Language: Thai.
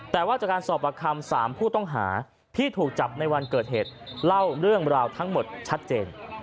แต่ว่าจากการสอบประคำ๓ผู้ต้องหาที่ถูกจับในวันเกิดเหตุเล่าเรื่องราวทั้งหมดชัดเจน